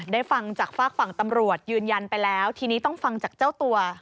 ฟังจากฝากฝั่งตำรวจยืนยันไปแล้วทีนี้ต้องฟังจากเจ้าตัว